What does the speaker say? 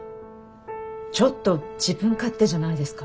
ちょっと自分勝手じゃないですか？